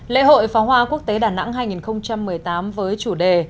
lễ hội pháo hoa quốc tế đà nẵng hai nghìn một mươi tám với chủ đề